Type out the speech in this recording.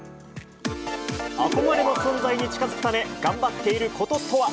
憧れの存在に近づくため頑張っていることとは。